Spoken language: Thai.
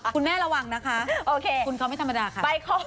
คุณแม่ระวังนะคะโอเคคุณเขาไม่ธรรมดาค่ะ